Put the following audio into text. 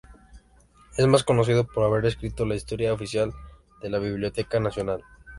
Es más conocido por haber escrito la historia oficial de la Biblioteca Nacional.